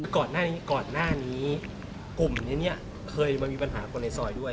ก่อนหน้านี้กลุ่มเนี่ยเนี่ยเคยมันมีปัญหาคนในซอยด้วย